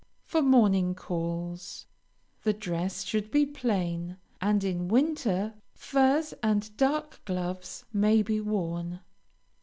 FOR MORNING CALLS The dress should be plain, and in winter furs and dark gloves may be worn.